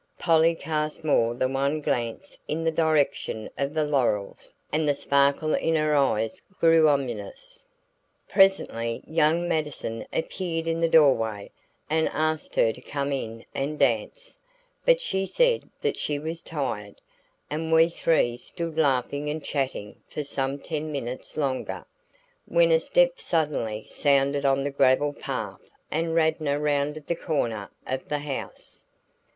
Polly cast more than one glance in the direction of the laurels and the sparkle in her eyes grew ominous. Presently young Mattison appeared in the doorway and asked her to come in and dance, but she said that she was tired, and we three stood laughing and chatting for some ten minutes longer, when a step suddenly sounded on the gravel path and Radnor rounded the corner of the house.